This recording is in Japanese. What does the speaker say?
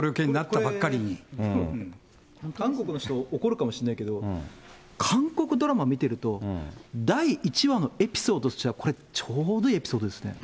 韓国の人、怒るかもしれないけど、韓国ドラマ見てると、第１話のエピソードとしては、これちょうどいいエピソードですね。